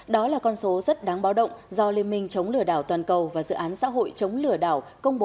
đó là con số rất đáng báo động do liên minh chống lừa đảo toàn cầu và dự án xã hội chống lừa đảo công bố